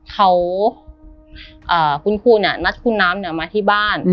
เขาคุณครูเนี่ยนัดคุณน้ำมาที่บ้าน